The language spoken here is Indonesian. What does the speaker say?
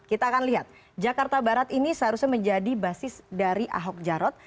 kita akan lihat jakarta barat ini seharusnya menjadi basis dari ahok jarot